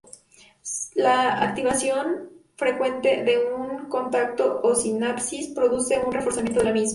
La activación frecuente de un contacto o sinapsis produce un reforzamiento de la misma.